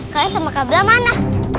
kalian sama kabilah mana